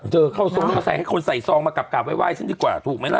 เจอเข้าทรงแล้วเขาใส่ให้คนใส่ซองมากลับไว้ซึ่งดีกว่าถูกไหมล่ะ